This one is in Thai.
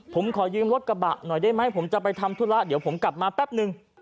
ผมขอยืมรถกระบะหน่อยได้ไหมผมจะไปทำธุระเดี๋ยวผมกลับมาแป๊บนึง